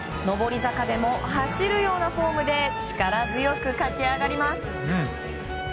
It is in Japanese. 上り坂でも走るようなフォームで力強く駆け上がります。